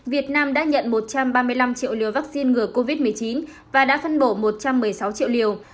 việt nam đã nhận một trăm ba mươi năm triệu liều vaccine ngừa covid một mươi chín và đã phân bổ một trăm một mươi sáu triệu liều